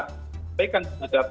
kita berikan masukan data data yang ada